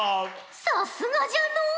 さすがじゃの。